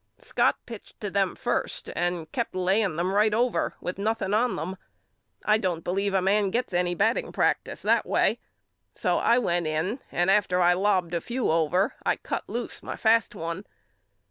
Scott pitched to them first and kept laying them right over with noth i8 YOU KNOW ME AL ing on them. I don't believe a man gets any bat ting practice that way. So I went in and after I lobbed a few over I cut loose my fast one.